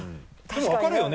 でも分かるよね？